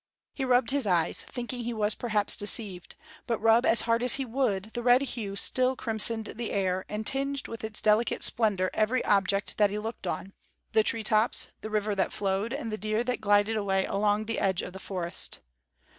He rubbed his eyes, thinking he was perhaps deceived; but rub as hard as he would, the red hue still crimsoned the air, and tinged with its delicate splendor every object that he looked on the tree tops, the river that flowed, and the deer that glided away along the edge of the forest.